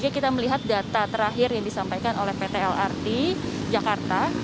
kita melihat data terakhir yang disampaikan oleh pt lrt jakarta